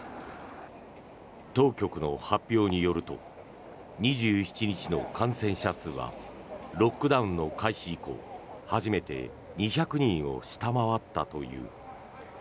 当局の発表によると２７日の感染者数はロックダウンの開始以降初めて２００人を下回ったという。